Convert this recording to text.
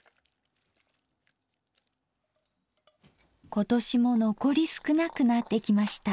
今年も残り少なくなってきました。